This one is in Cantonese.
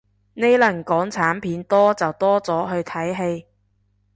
呢輪港產片多就多咗去睇戲